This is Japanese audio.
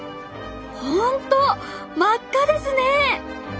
本当真っ赤ですね！